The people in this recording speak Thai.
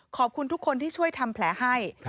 ขอบคุณทุกคนที่ช่วยทำแผลให้